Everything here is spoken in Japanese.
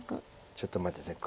ちょっと待って下さい。